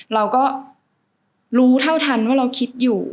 เราก็รู้เท่าทันว่าเราคิดอยู่